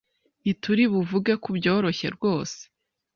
Ntituri buvuge ko byoroshye rwose,